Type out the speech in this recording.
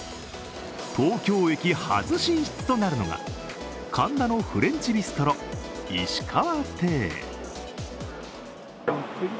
東京駅初進出となるのが神田のフレンチビストロ、石川亭。